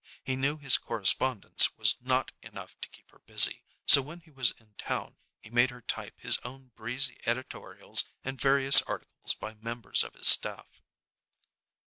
He knew his correspondence was not enough to keep her busy, so when he was in town he made her type his own breezy editorials and various articles by members of his staff.